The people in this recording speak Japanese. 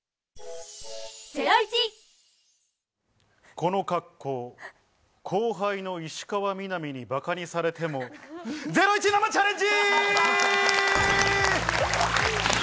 この格好、後輩の石川みなみにバカにされても、ゼロイチ生チャレンジ！